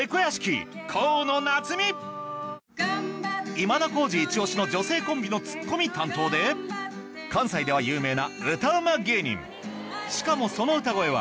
今田耕司イチ押しの女性コンビのツッコミ担当で関西では有名な歌うま芸人しかもその歌声は